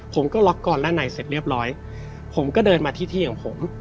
ผมก็ล็อกกอนด้านในเสร็จเรียบร้อยผมก็เดินมาที่ที่ของผม